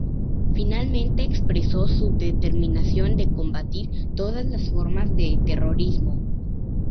Finalmente, expresó su determinación de combatir todas las formas de terrorismo.